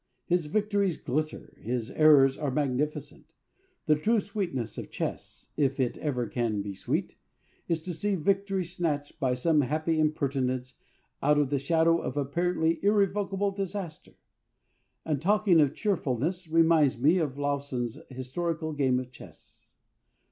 His victories glitter, his errors are magnificent. The true sweetness of chess, if it ever can be sweet, is to see a victory snatched, by some happy impertinence, out of the shadow of apparently irrevocable disaster. And talking of cheerfulness reminds me of Lowson's historical game of chess.